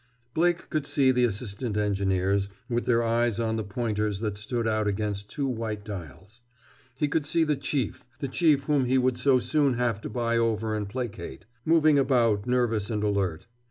Blake could see the assistant engineers, with their eyes on the pointers that stood out against two white dials. He could see the Chief, the Chief whom he would so soon have to buy over and placate, moving about nervous and alert.